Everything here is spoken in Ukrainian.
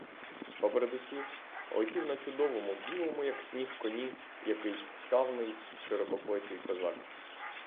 Поперед усіх летів на чудовому білому, як сніг, коні якийсь ставний, широкоплечий козак.